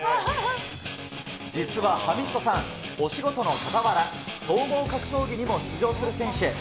実はハミッドさん、お仕事の傍ら、総合格闘技にも出場する選手。